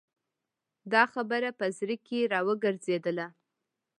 دا خبره په زړه کې را وګرځېدله.